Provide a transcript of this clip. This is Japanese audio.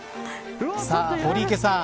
さあ、堀池さん